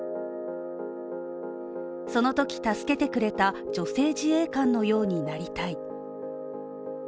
そのとき助けてくれた女性自衛官のようになりたい。